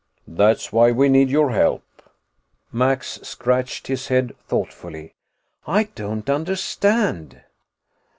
"That's why we need your help." Max scratched his head thoughtfully. "I don't understand."